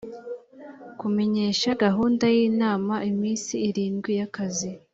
kumenyesha gahunda y’inama iminsi irindwi y’akazi